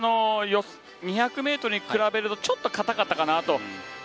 ２００ｍに比べるとちょっと硬かったかなと。